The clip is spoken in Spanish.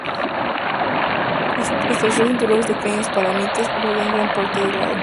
Estrechos cinturones de cañas "Phragmites" rodean gran parte del lago.